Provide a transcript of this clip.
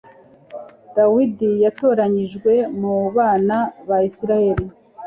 dawudi yatoranijwe mu bana ba israheli